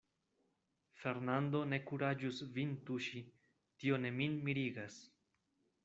Fernando ne kuraĝus vin tuŝi, tio ne min mirigas.